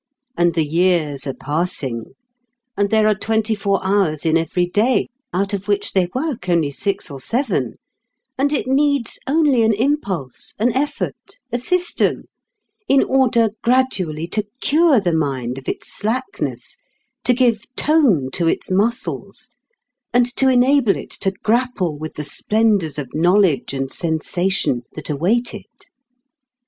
And the years are passing; and there are twenty four hours in every day, out of which they work only six or seven; and it needs only an impulse, an effort, a system, in order gradually to cure the mind of its slackness, to give "tone" to its muscles, and to enable it to grapple with the splendours of knowledge and sensation that await it!